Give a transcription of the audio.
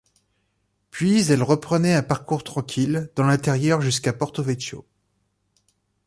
Puis elle reprenait un parcours tranquille dans l'intérieur jusqu'à Porto-Vecchio.